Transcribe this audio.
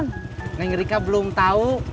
nggak yang rika belum tau